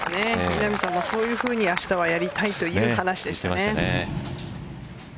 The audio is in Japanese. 稲見さんもそういうふうに明日はやりたいという話でしたね。